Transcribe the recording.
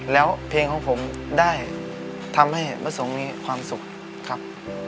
แล้วเพลงของผมได้ทำให้พระสงฆ์มีความสุขครับ